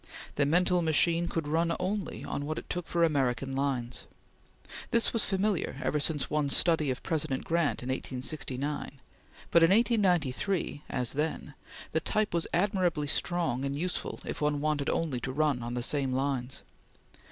The mental machine could run only on what it took for American lines. This was familiar, ever since one's study of President Grant in 1869; but in 1893, as then, the type was admirably strong and useful if one wanted only to run on the same lines.